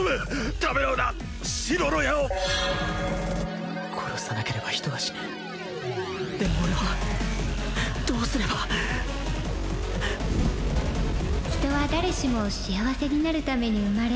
ためらうな白の矢を殺さなければ人が死ぬでも俺はどうすれば人は誰しも幸せになるために生まれ